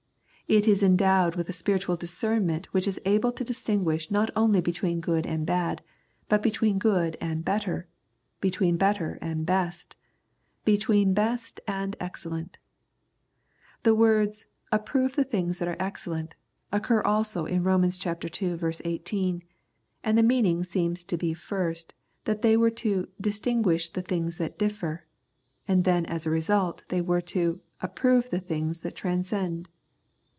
It is endowed with a spiritual discernment which is able to distinguish not only between good and bad, but between good and better, between better and best, and between best and excellent. The words, "approve the things that are excellent," occur also in Rom. ii. i8, and the meaning seems to be first that they were to " distinguish the things that differ," and then as a result they were to " approve the things that transcend."